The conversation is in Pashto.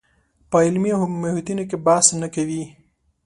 په علمي محیطونو کې بحث نه کوي